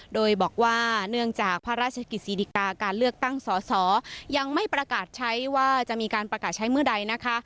โดยบอกว่าเนื่องจากพระราชกิจศิริกาการเลือกตั้งสอสอยังไม่ประกาศใช้ว่าจะมีการประกาศใช้เมื่อใดนะคะ